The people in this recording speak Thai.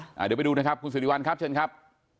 เดี๋ยวไปดูนะครับคุณสิริวัลครับเชิญครับ